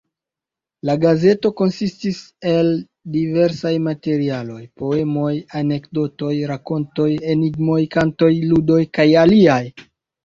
La gazeto konsistis el diversaj materialoj: poemoj, anekdotoj, rakontoj, enigmoj, kantoj, ludoj kaj aliaj.